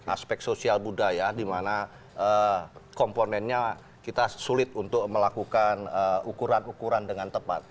aspek sosial budaya di mana komponennya kita sulit untuk melakukan ukuran ukuran dengan tepat